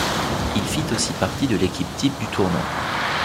Il fit aussi partie de l'équipe-type du tournoi.